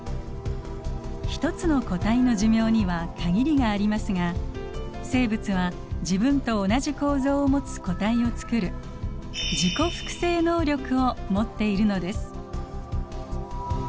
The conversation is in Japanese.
一つの個体の寿命には限りがありますが生物は自分と同じ構造を持つ個体をつくる自己複製能力を持っているのです。